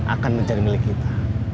akan menjadi milik kita